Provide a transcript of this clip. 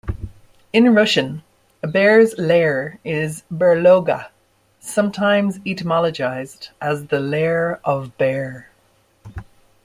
In Russian, a bear's lair is "berloga", sometimes etymologized as "the lair of "ber".